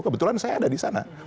kebetulan saya ada di sana